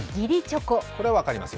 これは分かりますよ。